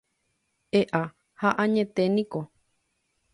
E'a ha añeténiko.